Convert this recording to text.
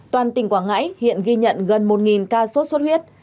toàn tỉnh quảng ngãi hiện ghi nhận gần một ca sốt xuất huyết